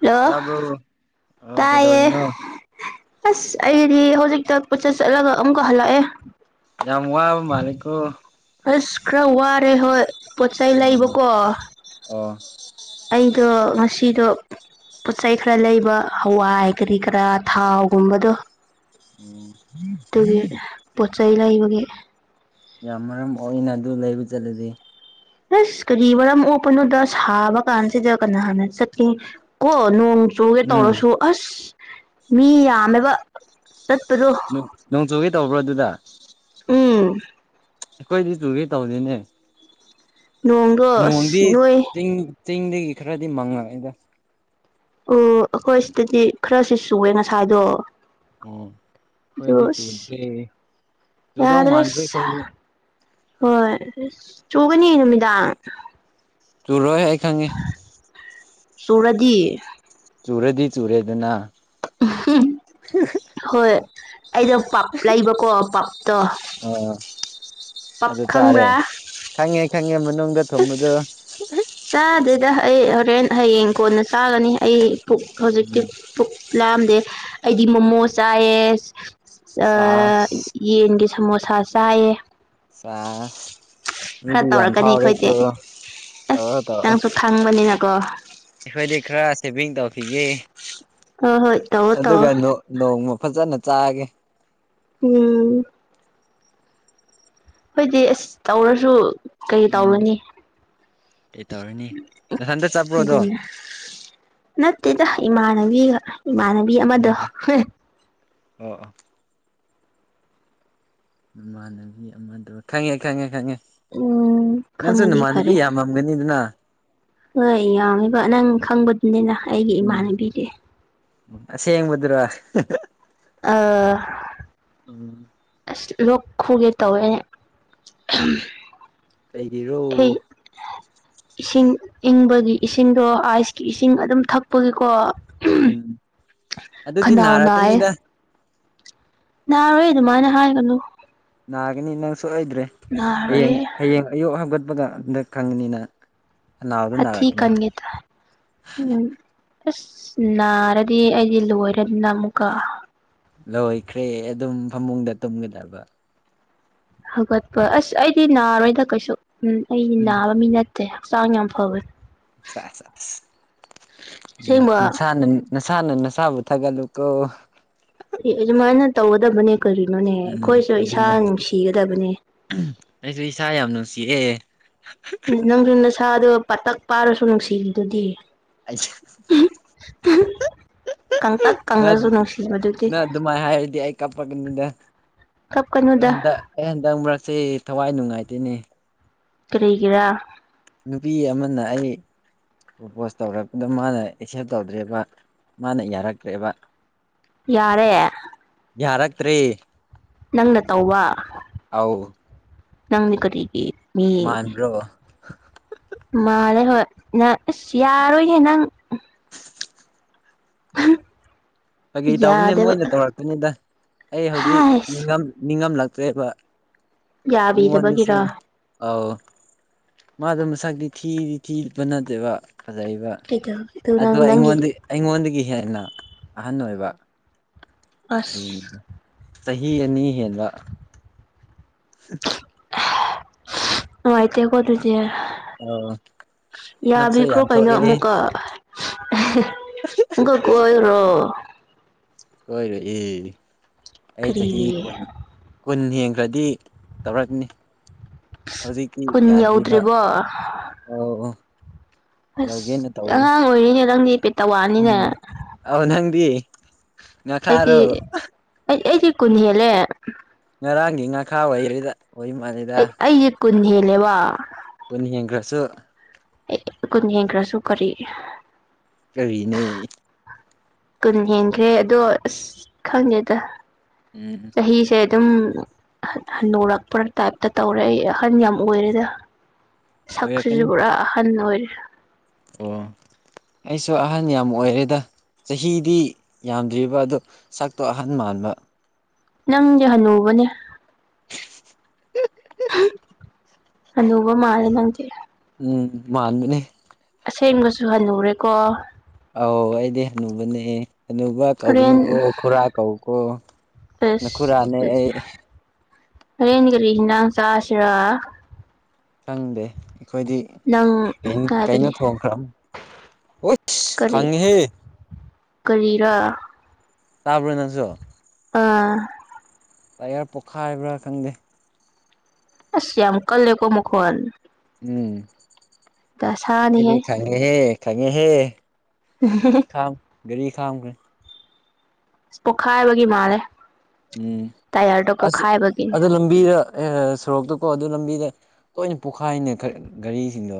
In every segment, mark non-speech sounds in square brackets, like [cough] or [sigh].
Hello ꯇꯥꯕ꯭ꯔꯣ ꯑꯣ ꯇꯥꯏꯌꯦ ꯀꯩꯗꯧꯔꯤꯅꯣ ꯑꯁ ꯑꯩꯗꯤ ꯍꯧꯖꯤꯛꯇ ꯄꯨꯆꯠ ꯆꯠꯂꯒ ꯑꯃꯨꯛꯀ ꯍꯜꯂꯛꯑꯦ ꯌꯥꯝꯝ ꯋꯥꯕ ꯃꯥꯜꯂꯤꯀꫭ ꯑꯁ ꯈꯔ ꯋꯥꯔꯦ ꯍꯣꯏ ꯄꯣꯠꯆꯩ ꯑꯣ ꯂꯩꯕꯀꯣ ꯑꯣ ꯑꯩꯗꯣ ꯉꯁꯤꯗꯣ ꯄꯣꯠꯆꯩ ꯈꯔ ꯂꯩꯕ ꯍꯋꯥꯏ ꯀꯔꯤ ꯀꯔꯥ ꯊꯥꯎꯒꯨꯝꯕꯗꯣ ꯎꯝ ꯑꯗꯨꯒꯤ ꯄꯣꯠ ꯆꯩꯩ ꯂꯩꯕꯒꯤ ꯌꯥꯝ ꯃꯔꯝ ꯃꫭꯛꯏꯅ ꯑꯗꯨ ꯂꯩꯕ ꯆꯠꯂꯗꯤ ꯑꯁ ꯀꯔꯤ ꯃꯔꯔꯝ ꯑꯣꯞꯄꯅꯣꯗ ꯁꯥꯕ ꯀꯥꯟꯁꯤꯗ ꯀꯅꯥꯅ ꯆꯠ ꯑꯦ ꯀꯣ ꯅꯣꯡ ꯆꯨꯒꯦ ꯎꯝ ꯇꯧꯔꯁꯨ ꯑꯁ ꯃꯤ ꯌꯥꯝꯃꯦꯕ ꯆꯠꯄꯗꫭ ꯅꯣꯡ ꯆꯨꯒꯦ ꯇꯧꯕ꯭ꯔꯣ ꯑꯗꯨꯗ ꯎꯝ ꯑꯩꯈꯣꯏꯗꯤ ꯇꯨꯒꯦ ꯇꯧꯅꯤꯅꯦ ꯅꯣꯡꯗꯣ ꯅꯣꯡꯗꯤ ꯑꯁ ꯅꯣꯏ ꯆꯤꯡ ꯆꯤꯡꯗꯒꯤ ꯈꯔꯗꯤ ꯃꯪꯉꯛꯏꯗ ꯑꯣ ꯑꯩꯈꯣꯏ ꯁꯤꯗꯗꯤ ꯈꯔꯁꯤ ꯆꯨꯑꯦ ꯉꯁꯥꯏꯗꯣ ꯑꯣ ꯑꯗꫭ ꯑꯩꯈꯣꯏꯗꯤ ꯑꯁꯤ ꯆꯨꯗ꯭ꯔꯦ ꯆꯨꯗꯧ ꯌꯥꯗ꯭ꯔꯦ ꯃꯥꯟꯗ꯭ꯔꯦ ꯑꯩꯈꯣꯏꯗꯤ ꯍꯣꯏ ꯆꯨꯒꯅꯤ ꯅꯨꯃꯤꯗꯥꯡ ꯆꯨꯔꯣꯏ ꯑꯩ ꯈꯪꯉꯥꯦ ꯆꯨꯔꯗꯤ ꯆꯨꯔꯗꯤ ꯆꯨꯔꯦꯗꯅ ꯍꯣꯏ ꯑꯩꯗꯣ ꯄꯥꯛ ꯂꯩꯕꯀꯣ ꯄꯞ ꯇꫭ ꯑꯣ ꯄꯞ ꯑꯗꯨ ꯆꯥꯔꯦ ꯈꯪꯕ꯭ꯔꯥ ꯈꯪꯉꯦ ꯈꯪꯉꯦ ꯃꯅꯨꯡꯗ ꯊꯨꯝꯕꯗꯣ ꯆꯥꯗꯦꯗꯥ ꯑꯩ ꯍꯣꯔꯦꯟ ꯍꯌꯦꯡ ꯀꯣꯟꯅ ꯆꯥꯒꯅꯤ ꯑꯩ ꯄꯨꯛ ꯍꯧꯖꯤꯛꯇꯤ ꯎꯝ ꯄꯨꯛ ꯂꯥꯛꯑꯝꯗꯦ ꯑꯩꯗꯤ ꯃꯣꯃꯣ ꯆꯥꯏꯌꯦ ꯆꯥꯁ ꯌꯦꯟꯒꯤ ꯁꯃꯣꯁꯥ ꯆꯥꯏꯌꯦ ꯆꯥꯁ ꯈꯔ ꯃꯤꯗꯤ ꯌꯥꯝ ꯇꯧꯔꯛꯀꯅꯤ ꯑꯩꯈꯣꯏꯗꯤ ꯐꯥꯎꯔꯦꯀꯣ ꯑꯁ ꯇꯧꯔꯣ ꯇꯧꯔꯣ ꯅꯪꯁꯨ ꯈꯪꯕꯅꯤꯅꯀꯣ ꯑꯩꯈꯣꯏꯗꯤ ꯈꯔ ꯁꯦꯚꯤꯡ ꯇꯧꯈꯤꯒꯦ ꯍꯣꯏ ꯍꯣꯏ ꯇꯧꯔꯣ ꯑꯗꯨꯒ ꯇꯧꯔꯣ ꯅꯦꯡ ꯅꯣꯡꯃ ꯐꯖꯅ ꯆꯥꯒꯦ ꯎꯝ ꯍꯣꯏꯗꯤ ꯑꯁ ꯇꯧꯔꯁꯨ ꯀꯩ ꯎꯝ ꯇꯧꯔꯨꯅꯤ ꯀꯩ ꯇꯧꯔꯅꯤ ꯅꯊꯟꯇ ꯆꯠꯄ꯭ꯔꯣꯗꯣ ꯑꯗꯨꯅꯦ ꯅꯠꯇꯦꯗ ꯏꯃꯥꯟꯅꯕꯤꯒ ꯏꯃꯥꯟꯅꯕꯤ ꯎꯝ ꯑꯃꯗꯣ ꯑꯣ ꯑꯣ ꯅꯃꯥꯟꯅꯕꯤ ꯑꯃ ꯗꯣ ꯈꯪꯉꯦ ꯈꯪꯉꯦ ꯈꯪꯉꯦ ꯎꯝ ꯅꯪꯁꯨ ꯈꯪꯉꯗꯤ ꯅꯃꯥꯟꯅꯕꯤ ꯐꯔꯦ ꯌꯥꯝꯃ ꯒꯅꯤꯗꯅ ꯍꯣꯏ ꯌꯥꯝꯃꯦꯕ ꯅꯪ ꯈꯪꯕꯗꯨꯅꯤꯅ ꯑꯩꯒꯤ ꯏꯃꯥꯟꯅꯕꯤꯗꯤ ꯎ ꯑꯁꯦꯡꯕꯗꯨ꯭ꯔꯣ ꯑꯥꯎ ꯎꯝ ꯑꯁ ꯂꯣꯛ ꯈꯨꯒꯦ ꯇꯧꯋꯦꯅꯦ ꯂꯩꯒꯤꯔꯣ ꯏꯁꯤꯡ ꯏꯪꯕꯒꯤ ꯏꯁꯤꯡꯗꯣ ꯑꯥꯏꯁꯀꯤ ꯏꯁꯤꯡ ꯑꯗꯨꯝ ꯊꯛꯄꯒꯤꯀꯣ ꯎꯝ ꯑꯗꯨꯗꯤ ꯈꯅꯥꯎ ꯅꯥꯏꯌꯦ ꯅꯥꯔꯛꯀꯅꯤꯗ ꯅꯥꯔꯣꯏ ꯑꯗꯨꯃꯥꯏꯅ ꯍꯥꯏꯒꯅꯨ ꯅꯥꯒꯅꯤ ꯅꯪ ꯁꯨꯏꯗ꯭ꯔꯦ ꯍꯌꯦꯡ ꯅꯥꯔꯣꯏꯌꯦ ꯍꯌꯦꯡ ꯑꯌꯨꯛ ꯍꯥꯞꯒꯠꯄꯒ ꯑꯝꯗ ꯈꯪꯉꯅꯤꯅ ꯍꯥꯊꯤ ꯈꯟꯒꯦ ꯇꯧꯌꯦ ꯎꯝ ꯑꯁ ꯅꯥꯔꯗꯤ ꯑꯩꯗꯤ ꯂꯣꯏꯔꯗꯅ ꯑꯃꯨꯛꯀ ꯂꯣꯏꯈ꯭ꯔꯦ ꯑꯗꯨꯝ ꯐꯃꯨꯡꯗ ꯇꯨꯝꯒꯗꯕ ꯍꯧꯒꯠꯄ ꯑꯁ ꯑꯩꯗꯤ ꯅꯥꯔꯣꯏꯗ ꯀꯩꯁꯨ ꯎꯝ ꯑꯩꯗꯤ ꯎꯝ ꯅꯥꯕ ꯃꯤ ꯅꯠꯇꯦ ꯍꯛꯆꯥꯡ ꯌꯥꯝ ꯐꯕꯅꯦ ꯎꯝ ꯑꯁꯦꯡꯕ ꯃꯁꯥꯅ ꯅꯁꯥꯅ ꯅꯁꯥꯕꯨ ꯊꯥꯒꯠꯂꯨꯀꯣ ꯑꯦ ꯑꯗꯨꯃꯥꯏꯅ ꯇꯧꯒꯗꯕꯅꯦ ꯀꯔꯤꯅꯣꯅꯦ ꯎꯝ ꯑꯩꯈꯣꯏꯁꯨ ꯏꯁꯥ ꯑꯗꯨꯅꯦ ꯅꯨꯡꯁꯤꯒꯗꯕꯅꯦ ꯑꯩꯁꯨ ꯏꯁꯥ ꯌꯥꯝ ꯅꯨꯡꯁꯤꯑꯦ ꯅꯪꯁꯨ ꯅꯁꯥꯗꯣ ꯄꯥꯇꯛ ꯄꯥꯔꯁꯨ ꯅꯨꯡꯁꯤꯕꯗꯨꯗꯤ [inaudible] ꯀꯪꯇꯛ ꯀꯪꯉꯁꯨ ꯅꯨꯡꯁꯤꯕꯗꯨꯗꯤ ꯅ ꯑꯗꯨꯃꯥꯏꯅ ꯍꯥꯏꯔꯗꯤ ꯑꯩ ꯀꯥꯄꯒꯅꯤꯅ ꯀꯞꯀꯅꯨꯗ ꯑꯩ ꯍꯟꯗꯛ ꯃꯔꯛꯁꯤ ꯊꯋꯥꯏ ꯅꯨꯡꯉꯥꯏꯇꯣꯏꯅꯦ ꯀꯔꯤꯒꯤꯔꯥ ꯅꯨꯄꯤ ꯑꯃꯅ ꯑꯩ ꯄ꯭ꯔꯄꯁ ꯇꯧꯔꯛꯄꯗ ꯃꯥꯅ ꯑꯦꯛꯁꯦꯞ ꯇꯧꯗ꯭ꯔꯦꯕ ꯃꯥꯅ ꯌꯥꯔꯛꯇ꯭ꯔꯦꯕ ꯌꯥꯔꯦ ꯌꯥꯔꯛꯇ꯭ꯔꯦ ꯅꯪꯅ ꯇꯧꯕ ꯑꯧ ꯅꯪꯗꯤ ꯀꯔꯤꯒꯤ ꯃꯤ ꯃꯥꯟꯕ꯭ꯔꯣ ꯃꯥꯜꯂꯦ ꯍꯣꯏ ꯅꯪ ꯑꯁ ꯌꯥꯔꯣꯏꯍꯦ ꯅꯪ [unintelligible] ꯐꯒꯤ ꯇꯧꯕꯅꯦ ꯌꯥꯗꯕ ꯃꯣꯏꯅ ꯇꯧꯔꯛꯄꯅꯤꯗ ꯑꯩ ꯍꯧꯖꯤꯛ ꯍꯥꯏꯁ ꯅꯤꯡꯉꯝ ꯅꯤꯡꯉꯝꯂꯛꯇ꯭ꯔꯦꯕ ꯅꯪꯉꯣꯟꯗꯁꯨ ꯌꯥꯕꯤꯗꯕꯒꯤꯔꯣ ꯑꯧ ꯃꯥꯗꯣ ꯃꯁꯛꯇꯤ ꯊꯤꯗꯤ ꯊꯤꯕ ꯅꯠꯇꯦꯕ ꯐꯖꯩꯌꯦꯕ ꯀꯩꯗꯧꯒꯦ ꯑꯗꯨ ꯑꯗꯣ ꯅꯪ ꯅꯪꯒꯤ ꯑꯩꯉꯣꯟꯗꯩ ꯑꯩꯉꯣꯟꯗꯒꯤ ꯍꯦꯟꯅ ꯑꯍꯟ ꯑꯣꯏꯕ ꯑꯁ [unintelligible] ꯆꯍꯤ ꯑꯅꯤ ꯍꯦꯟꯕ [unintelligible] ꯅꯨꯡꯉꯥꯏꯇꯦ ꯀꯣ ꯑꯗꯨꯗꯤ ꯑꯧ ꯅꯞꯁꯨ ꯌꯥꯝꯃꯦꯈ꯭ꯔꯣ ꯌꯥꯝ ꯀꯩꯅꯣ ꯊꯣꯛꯑꯦ ꯑꯃꯨꯛꯀ [unintelligible] ꯀ ꯀꯣꯏꯈꯔꯣ ꯀꯣꯏꯔꯣꯏꯌꯦ ꯑꯩ ꯆꯍꯤ ꯀꯔꯤꯒꯤ ꯀꯨꯟ ꯀꯨꯟ ꯍꯦꯟꯈ꯭ꯔꯗꯤ ꯇꯧꯔꯛꯀꯅꯤ ꯀꯨꯟ ꯌꯧꯗ꯭ꯔꯤꯕꯣ ꯑꯧ ꯑꯧ ꯑꯁ ꯌꯧꯒꯦꯅ ꯇꯧꯔꯤ ꯑꯉꯥꯡ ꯑꯣꯏꯔꯤꯅꯦ ꯅꯪꯗꯤ ꯄꯦꯠ ꯎꯝ ꯑꯧ ꯅꯪꯗꯤ ꯑꯩꯗꯤ ꯉꯥꯈꯥꯔꯣ ꯑꯩ ꯑꯩꯗꯤ ꯀꯨꯟ ꯍꯦꯜꯂꯦ ꯉꯔꯥꯡꯒꯤ ꯉꯥꯈꯥ ꯑꯣꯏꯔꯤꯗ ꯑꯣꯏꯕ ꯃꯥꯜꯂꯦ ꯑꯩ ꯑꯩꯖꯦ ꯀꯨꯟ ꯍꯦꯜꯂꯦꯕ ꯀꯨꯟ ꯍꯦꯟꯈ꯭ꯔꯁꯨ ꯑꯦ ꯑꯦ ꯀꯨꯟ ꯍꯦꯟ ꯈ꯭ꯔꯁꯨ ꯀꯔꯤ ꯀꯔꯤꯅꯦ ꯀꯨꯟ ꯍꯦꯟꯈ꯭ꯔꯦ ꯑꯗꯣ ꯑꯁ ꯈꯪꯗꯦꯗ ꯎꯝ ꯎꯝ ꯆꯍꯤꯁꯦ ꯑꯗꯨꯝ ꯍꯟ ꯍꯟꯅꯨꯔꯛꯄ ꯇꯥꯞꯇ ꯇꯧꯔꯦ ꯑꯩ ꯑꯍꯟ ꯌꯥꯝ ꯑꯣꯏꯔꯦꯗ ꯁꯛꯁꯤꯖꯨ ꯑꯣꯏꯔꯛꯀꯅꯤ ꯄꯨꯔꯥ ꯑꯍꯟ ꯑꯣꯏꯔꯦ ꯑꯣ ꯑꯩꯁꯨ ꯑꯍꯟ ꯌꯥꯝ ꯑꯣꯏꯔꯦꯗ ꯆꯍꯤꯗꯤ ꯌꯥꯝꯗ꯭ꯔꯤꯕ ꯑꯗꯣ ꯁꯛꯇꯣ ꯑꯍꯟ ꯃꯥꯟꯕ ꯅꯪꯗꯤ ꯍꯅꯨꯕꯅꯦ ꯍꯅꯨꯕ ꯃꯥꯜꯂꯦ ꯅꯪꯗꯤ ꯎꯝ ꯃꯥꯟꯕꯅꯦ ꯑꯁꯦꯡꯕꯁꯨ ꯍꯅꯨꯔꯦꯀꯣ ꯑꯧ ꯑꯩꯗꯤ ꯍꯅꯨꯕꯅꯦ ꯍꯅꯨꯕ ꯍꯣꯔꯦꯟ ꯀꯧꯒꯅꯨꯀꯣ ꯈꯨꯔꯥ ꯀꯧꯀꯣ ꯅꯈꯨꯔꯥꯅꯦ ꯑꯩ ꯍꯔꯦꯟ ꯀꯔꯤ ꯍꯤꯟꯅꯥꯡ ꯆꯁꯤꯔꯥ ꯈꯪꯗꯦ ꯑꯩꯈꯣꯏꯗꯤ ꯅꯪ ꯀꯩꯅꯣ ꯀꯩꯅꯣ ꯍꯥꯏꯕꯅꯦ ꯊꯣꯡꯈ꯭ꯔ [unintelligible] ꯀꯔꯤ ꯈꯪꯉꯤꯍꯦ ꯀꯔꯤꯔꯥ ꯇꯥꯕꯔꯣ ꯅꯪꯁꯨ ꯑꯥ ꯇꯥꯏꯌꯔ ꯄꯣꯛꯈꯥꯏꯕ꯭ꯔꯥ ꯈꯪꯗꯦ ꯑꯁ ꯌꯥꯝ ꯀꯜꯂꯦꯀꯣ ꯃꯈꯣꯟ ꯎꯝ ꯗꯁꯥꯅꯤꯍꯦ ꯈꯉꯦꯍꯦ ꯈꯉꯦꯍꯦ [unintelligible] ꯈꯥꯝ ꯒꯔꯤ ꯈꯥꯝꯒ꯭ꯔꯦ꯫ ꯄꯣꯛꯈꯥꯏꯕꯒꯤ ꯃꯥꯜꯂꯦ꯫ ꯎꯝ ꯇꯥꯏꯌꯔꯗꯣ ꯑꯁ ꯄꯣꯛꯈꯥꯏꯕꯒꯤꯅꯦ ꯑꯗꯣ ꯂꯝꯕꯤꯗ ꯑꯦ ꯁꯣꯔꯣꯛꯇꯀꯣ ꯑꯗꯨ ꯂꯝꯕꯤꯗ ꯇꯣꯏꯅ ꯄꯣꯛꯈꯥꯏꯅꯦ ꯒ ꯒꯥꯔꯤꯁꯤꯡꯗꯣ꯫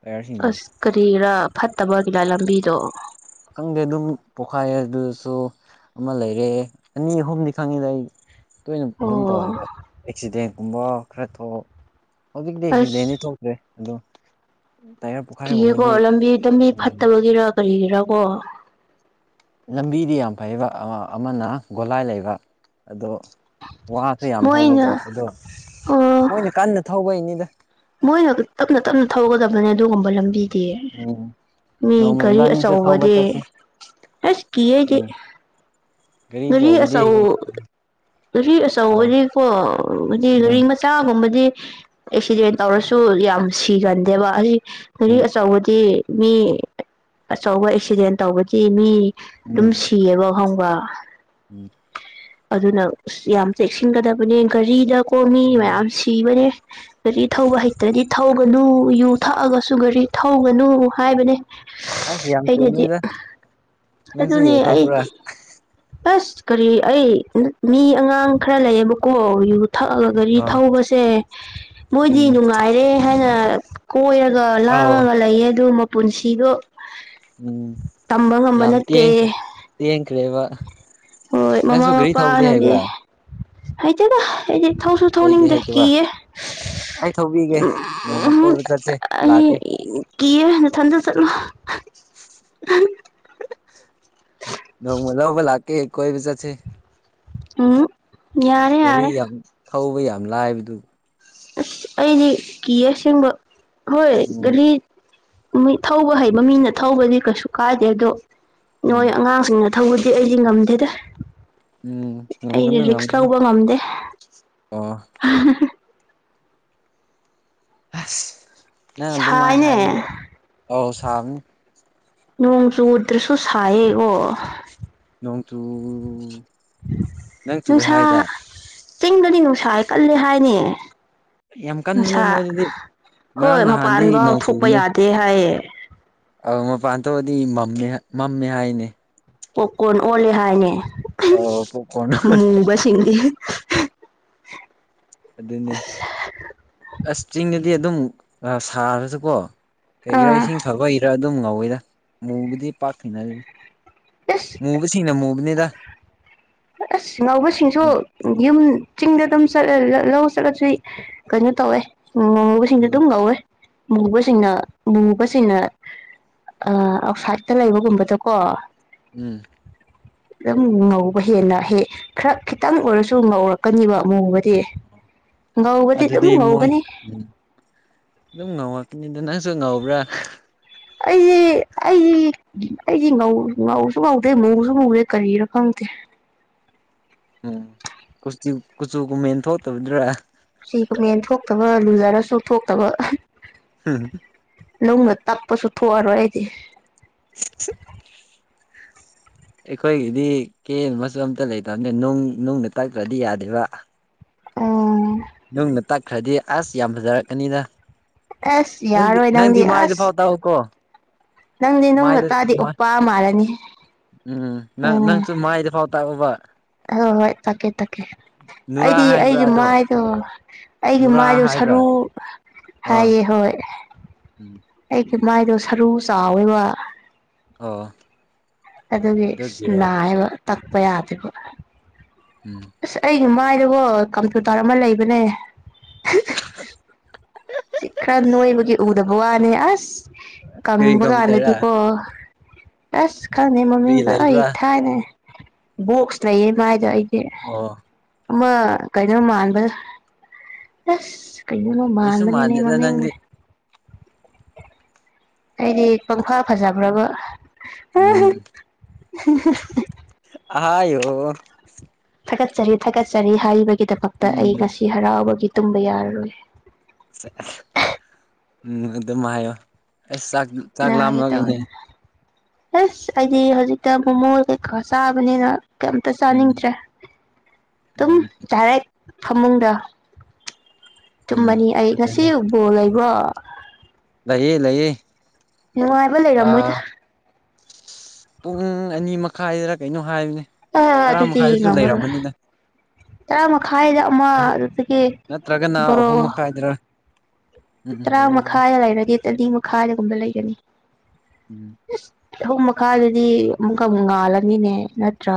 ꯇꯥꯏꯌꯔꯁꯤꯡꯗꯣ ꯑꯁ ꯀꯔꯤꯔꯥ ꯐꯠꯇꯕꯒꯤꯔ ꯂꯝꯕꯤꯗꯣ? ꯈꯪꯗꯦ ꯑꯗꯨꯝ ꯄꯣꯛꯈꯥꯏꯌꯦ ꯑꯗꯨꯁꯨ ꯑꯃ ꯂꯩꯔꯦ ꯑꯅꯤ ꯑꯍꯨꯝꯗꯤ ꯈꯪꯉꯤꯗ ꯑꯩ꯫ ꯇꯣꯏꯅ ꯑꯗꯨꯝ ꯑꯣ ꯇꯧꯋꯦꯕ ꯑꯦꯛꯁꯤꯗꯦꯟꯒꯨꯝꯕ ꯈꯔ ꯊꯣꯛ ꯍꯧꯖꯤꯛꯇꯤ ꯑꯁ ꯑꯦꯛꯁꯤꯗꯦꯟꯅꯤ ꯊꯣꯛ ꯑꯦ ꯑꯗꯨꯝ ꯇꯥꯏꯌꯔ ꯄꯣꯈꯥꯏ ꯀꯤꯌꯦꯀꯣ ꯂꯝꯕꯤꯗ ꯃꯤ ꯐꯠꯇꯕꯒꯤꯔ ꯀꯔꯤꯒꯤꯔ ꯀꯣ ꯂꯝꯕꯤꯗꯤ ꯌꯥꯝ ꯐꯩꯕ ꯑꯃ ꯑꯃꯅ ꯒꯣꯂꯥꯏ ꯂꯩꯕ ꯑꯗꯣ ꯋꯥꯁꯨ ꯌꯥꯝ ꯃꯣꯏꯅ ꯍꯧꯕꯀꯣ ꯑꯗꯣ ꯑꯣ ꯃꯣꯏꯅ ꯀꯟꯅ ꯊꯧꯕꯩꯅꯤꯗ꯫ ꯃꯣꯏꯅ ꯇꯞꯅ ꯇꯞꯅ ꯊꯧꯒꯗꯕꯅꯦ ꯑꯗꯨꯒꯨꯝꯕ ꯂꯝꯕꯤ ꯗꯤ ꯎꯝ ꯃꯤ ꯅꯣꯡꯃ ꯒꯔꯤ ꯏꯕꯥꯅꯤꯁꯨ ꯊꯧꯕ ꯑꯆꯧꯕꯗꯤ ꯆꯠꯁꯦ ꯑꯁ ꯀꯤꯌꯦ ꯑꯩꯗꯤ꯫ ꯎꯝ ꯒꯥꯔꯤ ꯑꯆꯧ ꯒꯔꯤ ꯑꯥꯎ ꯑꯆꯧꯕꯗꯤ ꯀꯣ ꯍꯨꯖꯤꯛ ꯒꯔꯤ ꯎꯝ ꯃ ꯆꯥꯒꯨꯝꯕꯗꯤ ꯑꯦꯛꯁꯤꯗꯦꯟ ꯇꯧꯔꯁꯨ ꯌꯥꯝ ꯁꯤꯒꯟꯗꯦꯕ ꯑꯁꯤ ꯒꯔꯤ ꯎꯝ ꯑꯆꯧꯕꯗꯤ ꯃꯤ ꯑꯆꯧꯕ ꯑꯦꯛꯁꯤꯗꯦꯟ ꯇꯧꯕꯗꯤ ꯃꯤ ꯑꯗꯨꯝ ꯎꯝ ꯁꯤꯌꯦꯕ ꯈꯪꯕ ꯎꯝ ꯑꯗꯨꯅ ꯑꯁ ꯌꯥꯝ ꯆꯦꯛꯁꯤꯟꯒꯗꯕꯅꯦ ꯒꯥꯔꯤꯗꯀꯣ ꯃꯤ ꯎꯝ ꯃꯌꯥꯝ ꯁꯤꯕꯅꯦ꯫ ꯒꯥꯔꯤ ꯊꯧꯕ ꯍꯩꯇ꯭ꯔꯗꯤ ꯊꯧꯒꯅꯨ ꯌꯨ ꯊꯛꯑꯒꯁꯨ ꯒꯥꯔꯤ ꯊꯧꯒꯅꯨ ꯍꯥꯏꯕꯅꯦ꯫ ꯑꯁ ꯌꯥꯝ ꯑꯩꯅꯗꯤ ꯆꯨꯝꯃꯤꯗ ꯅꯪꯁꯨ ꯑꯗꯨꯅꯤ ꯑꯩ ꯌꯧꯊꯣꯛꯄ꯭ꯔꯥ ꯑ ꯑꯁ ꯀꯔꯤ ꯑꯩ ꯃꯤ ꯑꯉꯥꯡ ꯈꯔ ꯂꯩꯌꯦꯕꯀꯣ ꯌꯨ ꯊꯛꯑꯒ ꯒꯔꯤ ꯊꯧꯕꯁꯦ ꯃꯣꯏꯗꯤ ꯎꯝ ꯅꯨꯡꯉꯥꯏꯔꯦ ꯍꯥꯏꯅ ꯀꯣꯏꯔꯒ ꯑꯥꯎ ꯂꯥꯡꯉꯒ ꯂꯩꯌꯦ ꯑꯗꯨ ꯃꯄꯨꯟꯁꯤꯗꯣ ꯎꯝ ꯇꯝꯕ ꯉꯝꯕ ꯅꯠꯇꯦ ꯇꯦꯟꯈ꯭ꯔꯦꯕ ꯍꯣꯏ ꯃꯃꯥ ꯃꯄꯥꯅꯗꯤ ꯍꯩꯇꯅ ꯍꯥꯏꯗꯤ ꯊꯧꯁꯨ ꯀꯩꯒꯤ ꯊꯧꯅꯤꯡꯗꯦ ꯍꯩꯇꯕ ꯀꯤꯌꯦ ꯑꯩ ꯊꯧꯕꯤꯒꯦ ꯅꯣꯡꯃ ꯀꯣꯏꯕ ꯆꯠꯁꯦ ꯂꯥꯛꯀꯦ [unintelligible] ꯀꯤꯌꯦ ꯅꯊꯟꯗ ꯆꯠꯂꯣ ꯅꯣꯡꯃ ꯂꯧꯕ ꯂꯥꯛꯀꯦ ꯀꯣꯏ ꯆꯠꯁꯦ꯫ ꯎꯝ ꯌꯥꯔꯦ ꯒꯥꯔꯤ ꯌꯥꯔꯦ ꯌꯥꯝ ꯊꯧꯕ ꯌꯥꯝ ꯂꯥꯏꯕꯗꯨ ꯑꯁ ꯑꯩꯗꯤ ꯀꯤꯌꯦ ꯑꯁꯦꯡꯕ ꯍꯣꯏ ꯎꯝ ꯒꯔꯤ ꯃꯤ ꯊꯧꯕ ꯍꯩꯕ ꯃꯤꯅ ꯊꯧꯕꯗꯤ ꯀꯩꯁꯨ ꯀꯥꯏꯗꯦ ꯑꯗꯣ ꯎꯝ ꯅꯣꯏ ꯑꯉꯥꯡꯁꯤꯡꯅ ꯊꯧꯕꯗꯤ ꯑꯩꯗꯤ ꯉꯝꯗꯦꯗ ꯎꯝ ꯑꯩꯅ ꯉꯝꯒꯅꯤ ꯔꯤꯛꯁ ꯉꯝꯒꯅꯤ ꯂꯧꯕ ꯉꯝꯗꯦ꯫ ꯑꯣ [unintelligible] ꯑꯁ ꯅꯪ ꯑꯗꯨꯃꯥꯏꯅ ꯁꯥꯏꯅꯦ ꯍꯥꯏꯔꯗꯤ ꯑꯧ ꯁꯥꯕꯅꯤ ꯅꯣꯡ ꯆꯨꯗ꯭ꯔꯁꯨ ꯁꯥꯏꯌꯦꯀꯣ ꯅꯣꯡ ꯆꯨ ꯅꯪ ꯆꯨꯋꯦ ꯅꯨꯡꯁꯥ ꯍꯥꯏꯗꯥꯏ ꯆꯤꯡꯗꯗꯤ ꯅꯨꯡꯁꯥ ꯀꯜꯂꯦ ꯍꯥꯏꯅꯦ꯫ ꯌꯥꯝ ꯀꯟꯕꯅꯦ ꯅꯨꯡꯁꯥ ꯃꯣꯏꯗꯗꯤ ꯍꯣꯏ ꯉꯔꯥꯡ ꯅꯍꯥꯟꯗꯤ ꯃꯄꯥꯟꯕꯥꯎ ꯅꯣꯡ ꯊꯣꯛꯄ ꯆꯨꯕꯅꯦ ꯌꯥꯗꯦ ꯍꯥꯏꯌꯦ꯫ ꯑꯧ ꯃꯄꯥꯟ ꯊꯣꯛꯑꯗꯤ ꯃꯝꯃꯦ ꯃꯝꯃꯦ ꯍꯥꯏꯅꯦ꯫ ꯄꯣꯞ ꯀꯣꯔꯣꯔꯟ ꯑꯣꯜꯂꯦ ꯍꯥꯏꯅꯦ ꯑꯣ ꯄꯣꯞ ꯀꯣꯔꯣꯔꯟ ꯑꯣꯜꯂꯦ ꯆꯤꯟꯗꯤꯌꯦ ꯑꯗꯨꯅꯦ ꯑꯁ ꯆꯤꯡꯗꯗꯤ ꯑꯗꯨꯝ ꯑꯥ ꯁꯥꯔꯁꯨꯀꯣ ꯀꯩꯒꯤꯔꯥ ꯑꯥ ꯏꯁꯤꯡ ꯐꯕꯩꯔꯥ ꯑꯗꯨꯝ ꯉꯧꯋꯤꯗ ꯃꯨꯕꯨꯗꯤ ꯄꯥꯛ ꯊꯦꯡꯅꯗꯦꯗ ꯑꯁ ꯃꯨ ꯕꯁꯤꯡꯅꯥ ꯃꯨꯕꯅꯦꯗ ꯑꯁ ꯉꯧꯕꯁꯤꯡꯁꯨ ꯎꯝ ꯌꯨꯝ ꯆꯤꯡꯗ ꯑꯗꯨꯝ ꯆꯠꯂ ꯂꯧ ꯆꯠꯂꯁꯨ ꯀꯩꯅꯣ ꯇꯧꯋꯦ ꯉꯧꯕꯁꯤꯡꯁꯨ ꯎꯝ ꯑꯗꯨꯝ ꯉꯧꯋꯦ ꯃꯨꯕꯁꯤꯡꯅ ꯃꯨꯕꯁꯤꯡꯅ ꯑ ꯑꯥꯎꯁꯥꯏꯗꯠꯇ ꯂꯩꯕꯒꯨꯝꯕꯗ ꯀꯣ ꯎꯝ꯫ ꯌꯥꯝ ꯉꯧ ꯍꯦꯟꯅ ꯍꯦꯛ ꯈꯔ ꯈꯤꯇꯪ ꯑꯣꯏꯔꯁꯨ ꯉꯧꯔꯛꯀꯅꯤꯕ ꯃꯨꯕꯗꯤ ꯉꯧꯕꯗꯤ ꯗꯨꯝ ꯑꯗꯨꯗꯤ ꯃꯣꯏ ꯉꯧꯒꯅꯤ ꯎꯝ ꯑꯗꯨꯝ ꯉꯧꯔꯛꯀꯅꯤꯗ ꯅꯪꯁꯨ ꯉꯧꯕ꯭ꯔꯥ ꯑꯩꯗꯤ ꯑꯩꯗꯤ ꯑꯩꯗꯤ ꯉꯧ ꯉꯧꯁꯨ ꯉꯧꯗꯦ ꯃꯨꯁꯨ ꯃꯨꯗꯦ ꯀꯔꯤꯔ ꯈꯪꯗꯦ꯫ ꯎꯝ ꯀꯨꯆꯨ ꯀꯨꯆꯨ ꯀꯨꯝꯃꯦꯟ ꯊꯣꯛꯇꯕꯗꯨ꯭ꯔꯥ ꯁꯤ ꯀꯃꯦꯟ ꯊꯣꯛꯇꯕ ꯂꯨꯖꯔꯁꯨ ꯊꯣꯛꯇꯕ ꯍꯨꯝ ꯅꯨꯡꯅ ꯇꯛꯄꯁꯨ ꯊꯣꯛꯑꯔꯣꯏ ꯑꯩꯗꯤ [inaudible] ꯑꯩꯈꯣꯏꯒꯤꯗꯤ ꯀꯦ ꯅꯕꯁꯨ ꯑꯝꯇ ꯂꯩꯇꯕꯅꯦ ꯅꯨꯡ ꯅꯨꯡꯗ ꯇꯛꯇ꯭ꯔꯥꯗꯤ ꯌꯥꯗꯦꯕ ꯎꯝ꯫ ꯅꯨꯡꯅ ꯇꯛꯈ꯭ꯔꯥꯗꯤ ꯑꯁ ꯌꯥꯝ ꯐꯖꯔꯛꯀꯅꯤꯗ ꯑꯁ ꯅꯪꯗꯤ ꯌꯥꯔꯣꯏ ꯅꯪꯗꯤ ꯃꯥꯗ ꯐꯥꯎ ꯑꯁ ꯇꯛꯎꯀꯣ ꯅꯪꯗꯤ ꯅꯨꯡꯅ ꯃꯥꯏꯗ ꯇꯛꯑꯗꯤ ꯎꯞꯄꯥ ꯃꯥꯜꯂꯅꯤꯍꯦ ꯎꯝ ꯅꯪ ꯅꯪꯁꯨ ꯃꯥꯏꯗꯤ ꯐꯥꯎ ꯇꯛꯎꯕ ꯍꯣꯏ ꯍꯣꯏ ꯇꯥꯛꯀꯦ ꯇꯥꯛꯀꯦ ꯅꯨꯔꯥ ꯑꯩꯗꯤ ꯍꯥꯏꯕ꯭ꯔꯥ ꯑꯩꯒꯤ ꯑꯗꯣ ꯃꯥꯏꯗꯣ ꯑꯩꯒꯤ ꯅꯨꯔꯥ ꯃꯥꯏꯗꯨ ꯍꯥꯏꯕ꯭ꯔꯥ ꯁꯔꯨ ꯑꯥ ꯍꯥꯏꯌꯦ ꯍꯣꯏ ꯎꯝ꯫ ꯑꯩꯒꯤ ꯃꯥꯏꯗꯣ ꯁꯔꯨ ꯆꯥꯎꯋꯦꯕ ꯑꯣ ꯑꯗꯨꯒꯤ ꯏꯁ ꯑꯗꯨꯒꯤꯔꯣ ꯅꯥꯏꯕ ꯇꯛꯄ ꯌꯥꯗꯦꯕ ꯎꯝ꯫ ꯑꯁ ꯑꯩꯒꯤ ꯃꯥꯏꯗꯀꫭ ꯀꯝꯄ꯭ꯌꯨꯇꯔ ꯑꯃ ꯂꯩꯕꯅꯦ ꯁꯤ ꯈꯔ ꯅꯣꯏꯕꯒꯤ ꯎꯗꯕ ꯋꯥꯅꯦ ꯑꯁ ꯀꯔꯤ ꯀꯪꯕ ꯀꯝꯄ꯭ꯌꯨꯇꯔ ꯀꯥꯟꯗꯗꯤꯀꯣ ꯑꯁ ꯈꯪꯉꯦ ꯀꯔꯤ ꯃꯃꯤꯡꯒ ꯑꯩ ꯂꯩꯕ꯭ꯔꯥ ꯊꯥꯏꯅ ꯕꯣꯛꯁ ꯂꯩꯌꯦ ꯃꯥꯏꯗꯣ ꯑꯩ ꯑꯣ ꯑꯃ ꯀꯩꯅꯣ ꯃꯥꯟꯕꯗꫭ ꯑꯁ ꯀꯩꯅꯣꯅꯣ ꯀꯩꯁꯨ ꯃꯥꯟꯕꯅꯤꯅꯦ ꯃꯥꯟꯗꯦꯗ ꯃꯃꯤꯡꯅꯦ ꯅꯪꯗꯤ ꯑꯩꯗꯤ ꯄꯪꯐꯥ ꯐꯖꯕ꯭ꯔꯥꯕ ꯎꯝ ꯑꯍꯥꯌꫭ ꯊꯥꯒꯠꯆꯔꯤ ꯊꯥꯒꯠꯆꯔꯤ ꯍꯥꯏꯕꯒꯤꯗꯃꯛꯇ ꯑꯩ ꯎꯝ ꯉꯁꯤ ꯍꯔꯥꯎꯕꯒꯤ ꯇꯨꯝꯕ ꯌꯥꯔꯔꯣꯏ ꯁꯦꯁ ꯎꯝ ꯑꯗꯨꯝ ꯍꯥꯏꯌꫭ ꯑꯁ ꯆꯥꯛ ꯅꯥꯒꯦ ꯂꯥꯝꯂꯛꯏꯅꯦ ꯇꯧꯋꯦꯟ ꯑꯁ ꯑꯩꯗꯤ ꯍꯧꯖꯤꯛꯇ ꯃꯣꯃꯣ ꯀꯩꯀꯥ ꯆꯥꯕꯅꯤꯅ ꯀꯩꯝꯇ ꯎꯝ ꯆꯥꯅꯤꯡꯇ꯭ꯔꯦ ꯗꯨꯝ ꯎꯝ ꯗꯥꯏꯔꯦꯛ ꯐꯃꯨꯡꯗ ꯎꯝ ꯇꯨꯝꯃꯅꯤ ꯑꯩ ꯉꯁꯤ ꯑꯗꯨꯅꯦ ꯕꯣꯜ ꯂꯩꯕ꯭ꯔꯣ ꯂꯩꯌꯦ ꯂꯩꯌꯦ ꯅꯨꯡꯉꯥꯏꯕ ꯂꯩꯔꯝꯃꯣꯏꯗ ꯑꯥ ꯄꯨꯡ ꯑꯅꯤ ꯃꯈꯥꯏꯗꯔ ꯀꯩꯅꯣ ꯍꯥꯏꯕꯅꯦ ꯑꯥ ꯇꯔꯥ ꯑꯗꯨꯗꯤ ꯃꯈꯥꯏꯗꯁꯨ ꯉꯝꯃꯔꯣꯏ ꯂꯩꯔꯝꯃꯅꯤꯅ ꯇꯔꯥ ꯃꯈꯥꯏꯗ ꯑꯃ ꯑꯍꯨꯛ ꯑꯗꯨꯗꯒꯤ ꯅꯠꯇ꯭ꯔꯒꯅ ꯕꯣꯔꯣ ꯑꯍꯨꯝ ꯃꯈꯥꯏꯗꯔ ꯎꯝ ꯎꯝ ꯇꯔꯥ ꯕꯥꯔꯣꯗꯔ ꯃꯈꯥꯏꯗ ꯂꯩꯔꯗꯤ ꯇꯅꯤ ꯃꯈꯥꯏꯗꯒꯨꯝꯕ ꯂꯩꯒꯅꯤ ꯎꯝ ꯏꯁ ꯑꯍꯨꯝ ꯃꯈꯥꯏꯗꯗꯤ ꯑꯃꯨꯛꯀ ꯑꯃꯨꯛ ꯉꯥꯜꯂꯅꯤꯅꯦ ꯅꯠꯇ꯭ꯔꯥ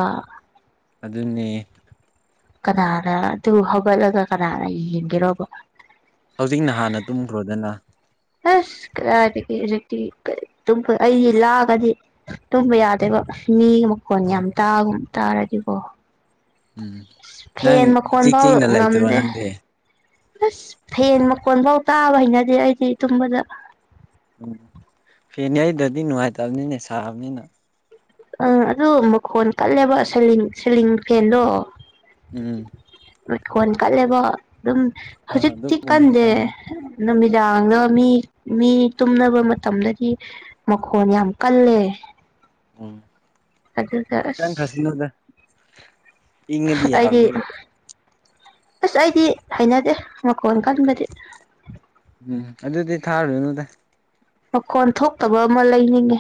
ꯑꯗꯨꯅꯦ ꯀꯅꯥꯅ ꯑꯗꯨ ꯍꯧꯒꯠꯂꯒ ꯀꯅꯥꯅ ꯌꯦꯡꯒꯦꯔꯣꯕ ꯍꯧꯖꯤꯛꯅ ꯍꯥꯟꯅ ꯇꯨꯝꯈ꯭ꯔꯣꯗꯅ ꯑꯁ ꯀꯗꯥꯥꯏꯗꯒꯤ ꯍꯨꯖꯤꯛꯇꯤ ꯀꯔꯤ ꯑꯗꯨꯝꯄ ꯑꯩꯗꯤ ꯂꯥꯛꯉꯗꯤ ꯇꯨꯝꯕ ꯌꯥꯗꯦꯕ ꯃꯤꯒꯤ ꯃꯈꯣꯟ ꯑꯣ ꯌꯥꯝ ꯇꯥꯒꯨꯝ ꯇꯥꯔꯗꯤꯀꯣ ꯎꯝ ꯑꯁ ꯅꯪ ꯐꯦꯟ ꯃꯈꯣꯟ ꯏꯆꯤꯛ ꯕꯥꯎ ꯆꯤꯛꯅ ꯂꯩꯇ꯭ꯔꯣ ꯉꯝꯗꯦ ꯅꯪꯗꯤ ꯑꯁ ꯐꯦꯟ ꯃꯀꯣꯟ ꯐꯥꯎ ꯇꯥꯕ ꯍꯩꯅꯗꯦ ꯑꯩꯗꯤ ꯇꯨꯝꯕꯗ ꯎꯝ ꯐꯦꯟ ꯌꯩꯗꯗꯤ ꯅꯨꯡꯉꯥꯏꯇꯕꯅꯤꯅꯦ ꯁꯥꯕꯅꯤꯅ ꯑꯥ ꯑꯗꯨ ꯃꯈꯣꯟ ꯀꯜꯂꯦꯕꯥ ꯁꯦꯂꯤꯡ ꯁꯦꯂꯤꯡ ꯐꯦꯟꯗꯣ ꯎꯝ ꯂꯩꯈꯣꯟ ꯀꯠꯂꯦꯕ ꯑꯗꯨꯝ ꯑꯥ ꯍꯧꯖꯤꯛꯇꯤ ꯑꯗꯨꯒꯨꯝꯕꯗꯤ ꯀꯟꯗꯦ ꯀꯟꯕꯅꯤ ꯅꯨꯃꯤꯗꯥꯡꯗ ꯃꯤ ꯃꯤ ꯇꯨꯝꯅꯕ ꯃꯇꯝꯗꯗꯤ ꯃꯈꯣꯟ ꯌꯥꯝ ꯀꯜꯂꯦ ꯎꯝ ꯑꯗꯨꯒ ꯑꯁ ꯀꯟꯈ꯭ꯔꯁꯅꯨꯗ ꯏꯪꯉꯗꯤ ꯑꯩꯗꯤ ꯌꯥꯕꯗꯨꯕꯨ ꯑꯁ ꯑꯩꯗꯤ ꯍꯩꯅꯗꯦ ꯃꯈꯣꯟ ꯀꯟꯕꯗꯤ ꯎꯝ ꯑꯗꯨꯗꯤ ꯊꯥꯔꯨꯔꯅꯨꯗ ꯃꯈꯣꯟ ꯊꯣꯛꯇꯕ ꯑꯃ ꯂꯩꯅꯤꯡꯉꯦ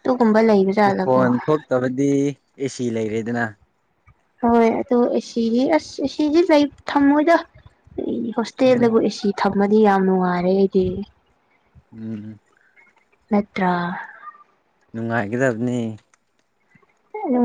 ꯑꯗꯨꯒꯨꯝꯕ ꯂꯩꯕ ꯖꯥꯠꯂꯀꯣ ꯃꯈꯣꯟ ꯊꯣꯛꯇꯕꯗꯤ ꯑꯦꯁꯤ ꯂꯩꯔꯦꯗꯅ ꯍꯣꯏ ꯑꯗꯨ ꯑꯦꯁꯤꯒꯤ ꯑꯁ ꯑꯦꯁꯤꯗꯤ ꯂꯩ ꯊꯝꯃꯣꯏꯗ ꯀꯩꯒꯤ ꯍꯣꯁ__ ꯎꯝ ꯇꯦꯜꯗꯕꯨ ꯑꯦꯁꯤ ꯊꯝꯃꯗꯤ ꯌꯥꯝ ꯅꯨꯡꯉꯥꯏꯔꯦ ꯑꯩꯗꯤ ꯎꯝ ꯅꯠꯇ꯭ꯔꯥ ꯅꯨꯡꯉꯥꯏꯒꯗꯕꯅꯦ ꯍꯦ ꯅꯨꯉꯥꯏ